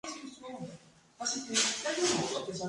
El divorcio se finalizó seis años más tarde.